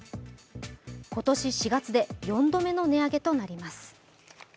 今年４月で４度目の値上げとなります。